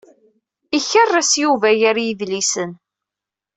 Yekker-s Yuba gar yidlisen.